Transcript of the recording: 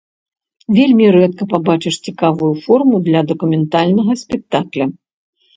Вельмі рэдка пабачыш цікавую форму для дакументальнага спектакля.